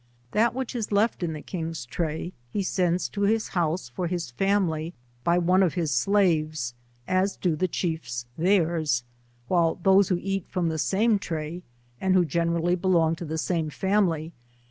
That which is left in the king's tray, he sends to his house for his family, by one of his slaves, as do the chiefs theirs, while those who eat from the same tiay, and who generally belong to the same fainily.